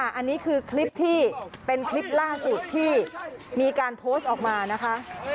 อันนี้คือคลิปที่เป็นคลิปล่าสุดที่มีการโพสต์ออกมานะคะ